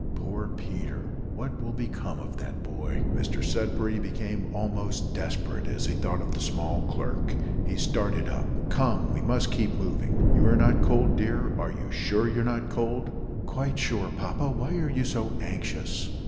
Poor Peter! what will become of that boy?" Mr Sudberry became almost, desperate as he thought of the small clerk. He started up. "Come, we must keep moving. You are not cold, dear? are you sure you are not cold?" "Quite sure, papa; why are you so anxious?"